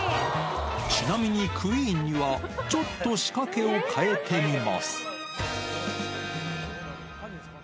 ちなみにクイーンには、ちょっと仕掛けを変えてみます。